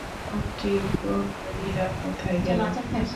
মন্ত্রী, প্রহরীরা কোথায় গেল?